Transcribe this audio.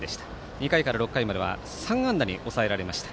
２回から６回までは３安打に抑えられました。